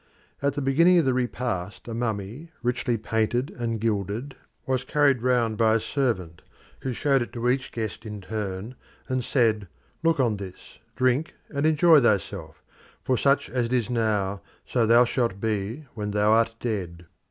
At the beginning of the repast a mummy, richly painted and gilded, was carried round by a servant, who showed it to each guest in turn and said, "Look on this, drink and enjoy thyself, for such as it is now, so thou shalt be when thou art dead."